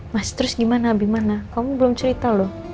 mas terus gimana gimana kamu belum cerita loh